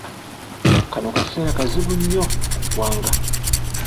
Kano kaseera kazibu nnyo mu ggwanga.